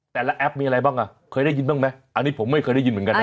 แอปมีอะไรบ้างอ่ะเคยได้ยินบ้างไหมอันนี้ผมไม่เคยได้ยินเหมือนกันนะ